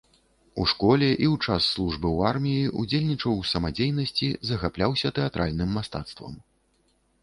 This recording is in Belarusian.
У школе і ў час службы ў арміі ўдзельнічаў у самадзейнасці, захапляўся тэатральным мастацтвам.